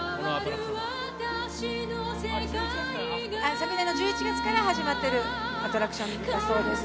昨年の１１月から始まっているアトラクションだそうです。